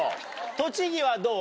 栃木はどう？